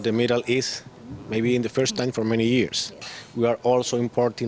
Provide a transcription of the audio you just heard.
dan beberapa buah untuk tengah tengah mungkin pertama kali dalam beberapa tahun